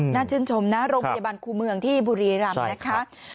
น่าชื่นชมนะโรงพยาบาลครูเมืองที่บุรีรัมพ์นะครับ